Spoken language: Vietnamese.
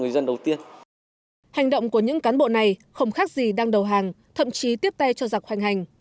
hành động của những cán bộ này không khác gì đang đầu hàng thậm chí tiếp tay cho giặc hoành hành